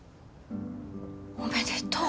おめでとう。